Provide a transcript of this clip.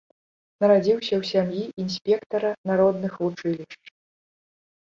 Нарадзіўся ў сям'і інспектара народных вучылішч.